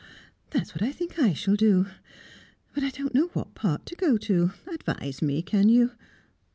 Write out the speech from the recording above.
"That's what I think I shall do. But I don't know what part to go to. Advise me, can you?